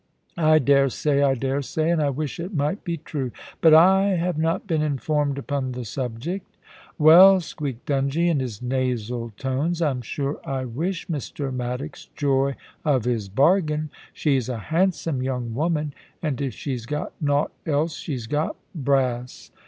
I dare say, I dare say ; and I wish it might be true ; but /have not been informed upon the subject' * Well,' squeaked Dungie, in his nasal tones ;* I'm sure I wish Mr. Maddox joy of his bargain. She's a handsome young woman ; and if she's got nought else, she's got brass.